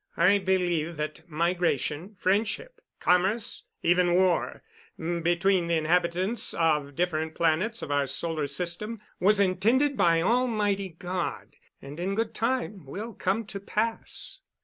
I believe that migration, friendship, commerce, even war, between the inhabitants of different planets of our solar system was intended by Almighty God and, in good time, will come to pass.